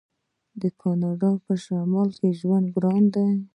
د کاناډا په شمال کې ژوند ګران دی.